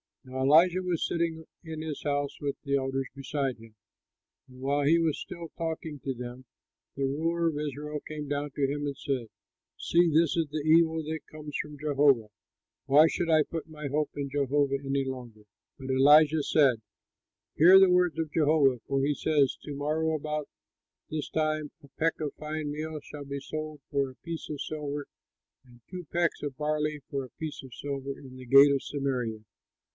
Now Elisha was sitting in his house with the elders beside him; and while he was still talking with them, the ruler of Israel came down to him and said, "See, this is the evil that comes from Jehovah! Why should I put my hope in Jehovah any longer?" But Elisha said, "Hear the word of Jehovah, for he says, 'To morrow about this time a peck of fine meal shall be sold for a piece of silver and two pecks of barley for a piece of silver in the gate of Samaria.'"